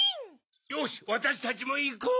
・よしわたしたちもいこう！